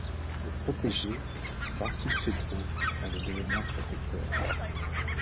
De protégé, Barkilphedro allait devenir protecteur.